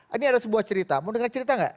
ini ada sebuah cerita mau dengar cerita nggak